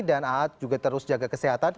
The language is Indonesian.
dan aad juga terus jaga kesehatan